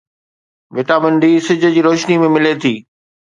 vitamin D سج جي روشنيءَ ۾ ملي ٿي